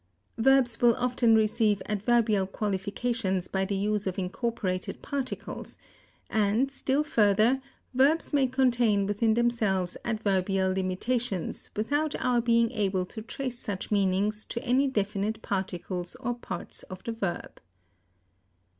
Verbs will often receive adverbial qualifications by the use of incorporated particles, and, still further, verbs may contain within themselves adverbial limitations without our being able to trace such meanings to any definite particles or parts of the verb.